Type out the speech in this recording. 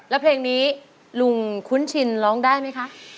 แล้วเพลงนี้ลุงคุ้นชินร้องได้ไหมคะ